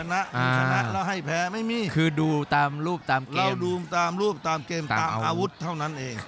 ชนะแล้วให้แพ้ไม่มีคือดูตามรูปตามเกมเราดูตามรูปตามเกมตามอาวุธเท่านั้นเอง